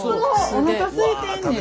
おなかすいてんねん。